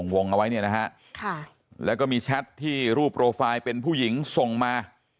เอาไว้เนี่ยนะฮะแล้วก็มีแชทที่รูปโปรไฟล์เป็นผู้หญิงส่งมา